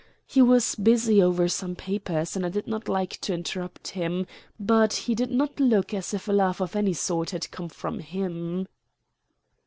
He was busy over some papers and I did not like to interrupt him; but he did not look as if a laugh of any sort had come from him."